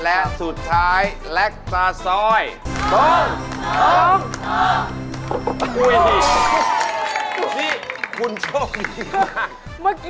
อันดับที่๓แล้วกันครับ